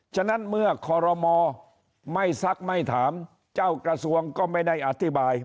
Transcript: ฉะนั้นเมื่อคอรมอไม่ซักไม่ถามเจ้ากระทรวงก็ไม่ได้อธิบาย